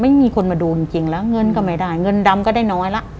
ไม่มีคนมาดูจริงแล้วเงินก็ไม่ได้เงินดำก็ได้น้อยละ